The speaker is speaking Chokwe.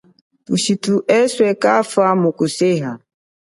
Thushithu eswe kafa muku seha.